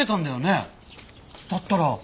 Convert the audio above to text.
だったら。